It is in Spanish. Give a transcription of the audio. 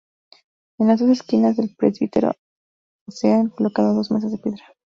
En las dos esquinas del presbiterio se han colocado dos mesas de piedra.